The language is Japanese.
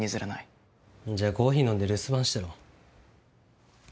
じゃあコーヒー飲んで留守番してろ。